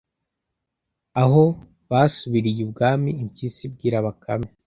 Aho basubiriye ibwami impyisi ibwira Bakame